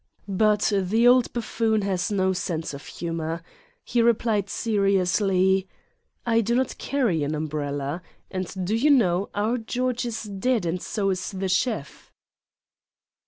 But the old buffoon has no sense of humor. He replied seriously: " I do not carry an umbrella. And do you know, our George is dead and so is the chef."